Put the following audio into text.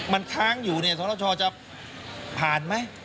มันค้างอยู่เนี่ยสรชจะผ่านไหม